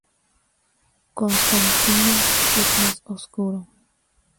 Constantino es más oscuro.